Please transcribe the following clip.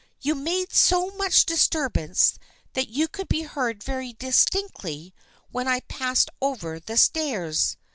You made so much disturbance that you could be heard very distinctly when I passed over the stairs.